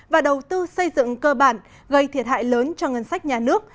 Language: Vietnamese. và đầu tư xây dựng cơ bản gây thiệt hại lớn cho ngân sách nhà nước